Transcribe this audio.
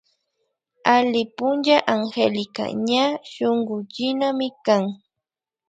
Alli puncha Angélica ña shunkullinamikan